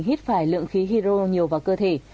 hít phải lượng khí hydro nhiều vào cơ thể